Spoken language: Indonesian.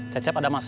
cecep ada masalah